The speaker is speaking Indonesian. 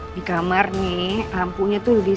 di kamar nih ampunya tuh disuruh